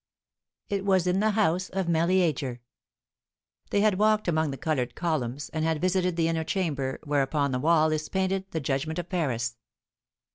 It was in the house of Meleager. They had walked among the coloured columns, and had visited the inner chamber, where upon the wall is painted the Judgment of Paris.